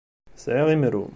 Sɛiɣ imru.